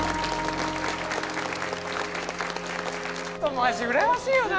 マジうらやましいよな！